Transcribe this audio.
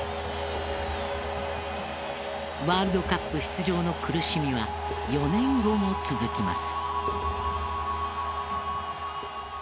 ワールドカップ出場の苦しみは４年後も続きます。